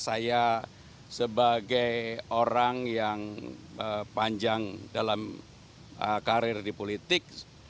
saya sebagai orang yang panjang dalam karir di politik